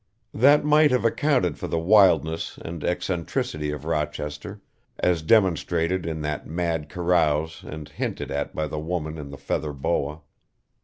That might have accounted for the wildness and eccentricity of Rochester, as demonstrated in that mad carouse and hinted at by the woman in the feather boa.